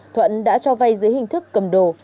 thuận đã cho vay dưới hình thức cầm đồ